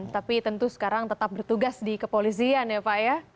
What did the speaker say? tapi tentu sekarang tetap bertugas di kepolisian ya pak ya